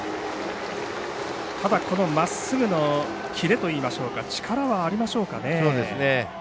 まっすぐのキレといいましょうか力はありましょうかね。